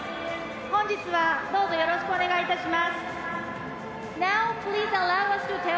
本日は、どうぞよろしくお願いいたします。